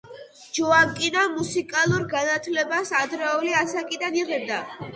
ჯოაკინო მუსიკალურ განათლებას ადრეული ასაკიდან იღებდა.